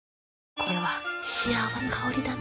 これは幸せな香りだな。